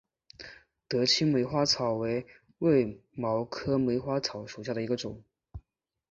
德钦梅花草为卫矛科梅花草属下的一个种。